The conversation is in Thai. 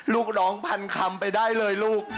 ลูกน้องพันคำไปได้เลยลูก